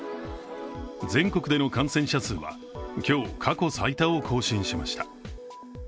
全国での感染者数は今日、過去最多を更新しました。